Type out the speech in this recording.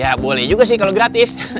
ya boleh juga sih kalau gratis